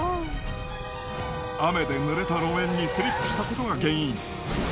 雨で濡れた路面にスリップしたことが原因。